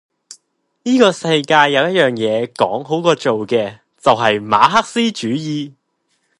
依個世界有一樣野講好過做嘅，就係馬可思主義!